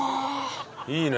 いいね。